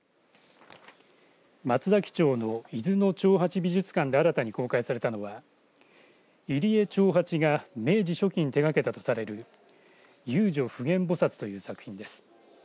松崎町の伊豆の長八美術館で新たに公開されたのは入江長八が明治初期に手がけたとされる遊女普賢ぼさつという作品です。